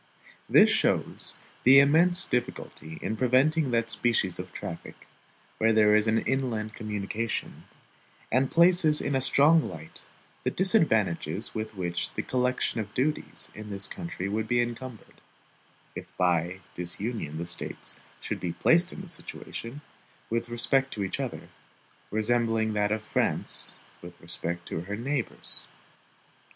This shows the immense difficulty in preventing that species of traffic, where there is an inland communication, and places in a strong light the disadvantages with which the collection of duties in this country would be encumbered, if by disunion the States should be placed in a situation, with respect to each other, resembling that of France with respect to her neighbors.